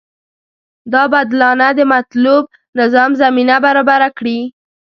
دا بدلانه د مطلوب نظام زمینه برابره کړي.